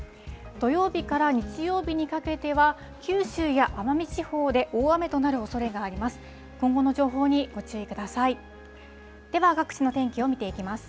土曜日から日曜日にかけては、九州や奄美地方で大雨となるおそれがあります。